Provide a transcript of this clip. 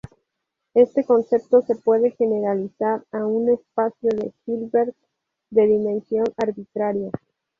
Este concepto se puede generalizar a un espacio de Hilbert de dimensión arbitraria.